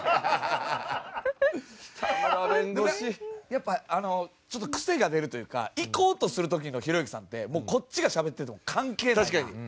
やっぱちょっとクセが出るというかいこうとする時のひろゆきさんってもうこっちがしゃべってても関係ないな。